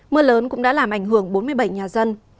mưa lớn cũng đã làm ảnh hưởng bốn mươi bảy nhà dân